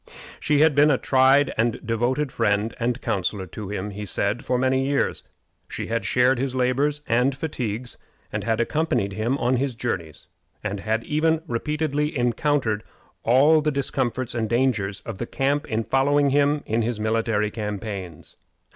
She had been a tried and devoted friend and counselor to him, he said, for many years. She had shared his labors and fatigues, had accompanied him on his journeys, and had even repeatedly encountered all the discomforts and dangers of the camp in following him in his military campaigns.